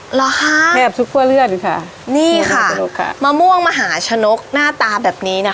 เหรอคะแทบทุกครัวเลือดค่ะนี่ค่ะนกค่ะมะม่วงมหาชนกหน้าตาแบบนี้นะคะ